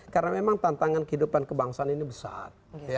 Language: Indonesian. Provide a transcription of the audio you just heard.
karena memang tantangan kehidupan kebangsaan ini besar